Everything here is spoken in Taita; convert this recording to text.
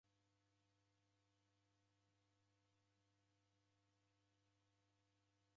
Sisikire ela ngasikira nikuzeragha.